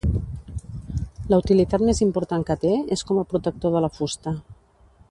La utilitat més important que té és com a protector de la fusta.